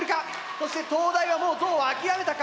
そして東大はもうゾウを諦めたか？